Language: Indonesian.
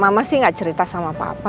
mama sih gak cerita sama papa